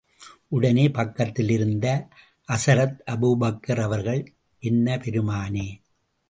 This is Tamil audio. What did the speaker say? உடனே, பக்கத்திலிருந்த அசரத் அபூபக்கர் அவர்கள் என்ன பெருமானே!